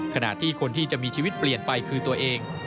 ขณะที่คนที่จะมีชีวิตเปลี่ยนไปคือตัวเอง